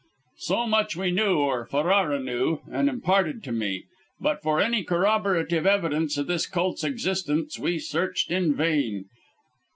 "So much we knew or Ferrara knew, and imparted to me but for any corroborative evidence of this cult's existence we searched in vain.